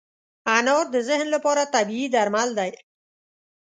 انار د ذهن لپاره طبیعي درمل دی.